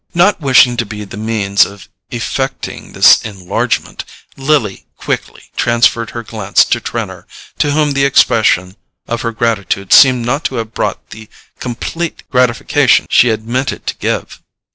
Not wishing to be the means of effecting this enlargement, Lily quickly transferred her glance to Trenor, to whom the expression of her gratitude seemed not to have brought the complete gratification she had meant it to give.